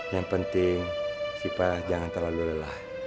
yang penting sifat jangan terlalu lelah